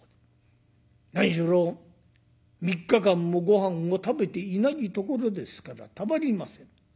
何しろ３日間もごはんを食べていないところですからたまりません。